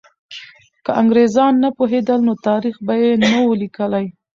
که انګریزان نه پوهېدل، نو تاریخ به یې نه وو لیکلی.